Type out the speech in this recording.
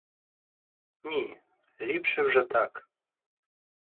Ні, ліпше вже так.